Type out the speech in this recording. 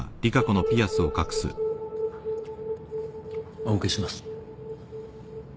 お受けします。